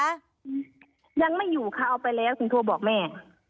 ยังไม่อยู่ค่ะเอาไปแล้วถึงโทรบอกแม่